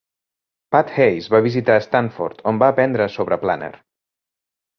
Pat Hayes va visitar Stanford on va aprendre sobre Planner.